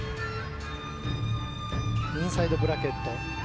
インサイドブラケット。